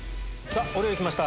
お料理きました